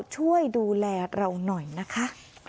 ช่วยดูแลเราหน่อยนะคะ